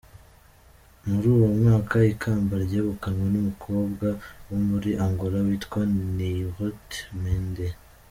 Muri uwo mwaka ikamba ryegukanwe n’umukobwa wo muri Angola witwa Neurite Mendes.